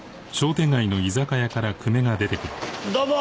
どうも！